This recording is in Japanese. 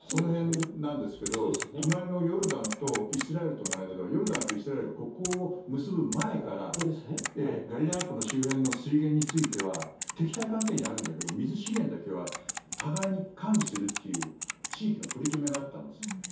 隣のヨルダンとイスラエルとの間ではヨルダンとイスラエルは国交を結ぶ前からガリラヤ湖の周りの水資源については敵対関係にあるんだけど水資源だけは互いに管理するという地域の取り決めがあったんです。